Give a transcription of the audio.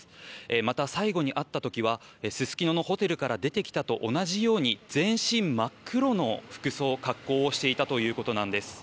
また、最後に会った時はすすきののホテルから出てきた時と同じように全身真っ黒の服装格好をしていたということです。